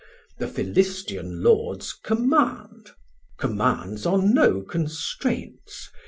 the Philistian Lords command. Commands are no constraints.